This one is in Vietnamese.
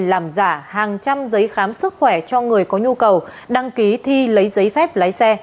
làm giả hàng trăm giấy khám sức khỏe cho người có nhu cầu đăng ký thi lấy giấy phép lái xe